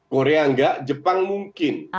korea enggak jepang mungkin